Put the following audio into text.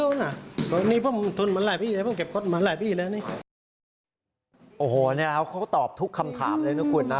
โอ้โหนี่แหละครับเขาก็ตอบทุกคำถามเลยนะคุณนะ